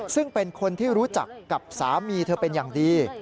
ซึ่งเป็นคนที่รู้จักกับสามีเธอเป็นอย่างดี